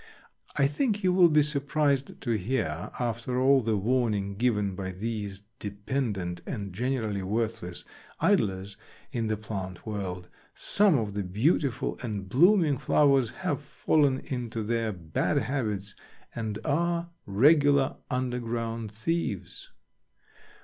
I think you will be surprised to hear, after all the warning given by these dependent and generally worthless idlers in the plant world, some of the beautiful and blooming flowers have fallen into their bad habits and are regular underground thieves.